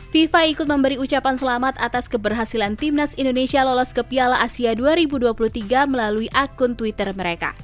fifa ikut memberi ucapan selamat atas keberhasilan timnas indonesia lolos ke piala asia dua ribu dua puluh tiga melalui akun twitter mereka